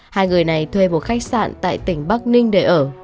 hai người này thuê một khách sạn tại tỉnh bắc ninh để ở